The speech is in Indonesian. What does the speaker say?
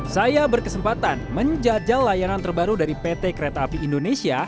saya berkesempatan menjajal layanan terbaru dari pt kereta api indonesia